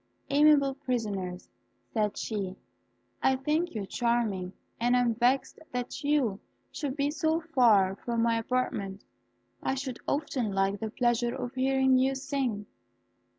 "Amiable prisoners," said she, "I think you charming, and I am vexed that you should be so far from my apartment, I should often like the pleasure of hearing you sing."